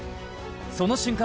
その瞬間